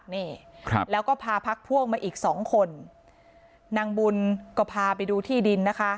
นี่ครับแล้วก็พาพักพวกมาอีกสองคนนางบุญก็พาไปดูที่ดินนะคะ